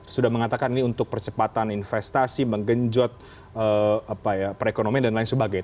sudah mengatakan ini untuk percepatan investasi menggenjot perekonomian dan lain sebagainya